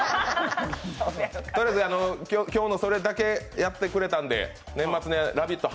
とりあえず、今日のそれだけやってくれたんで年末に「ラヴィット！」